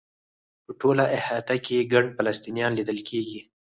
په ټوله احاطه کې ګڼ فلسطینیان لیدل کېږي.